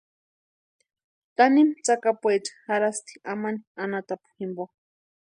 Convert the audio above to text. Tanimu tsakapuecha jarhasti amani anhatapu jimpo.